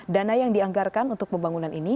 dana yang dianggarkan untuk pembangunan ini